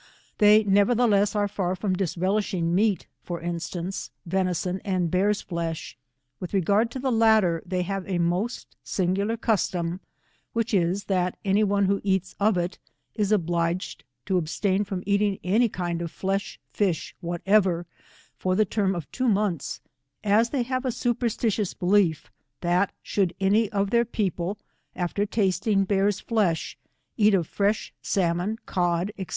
They nevertheless are far from disrelishing meat, for instance, venison and bear's flesh. With regard to the latter, they have a most siagular custom, which is, that any one who eats of it is obliged to abstain from eating any kind of flesh fish whatever, for the term of two months, as they have a superstitious belief, that shorJd any of their people after tasting bear's flesh, eat of fresh salmon, cod, Ac.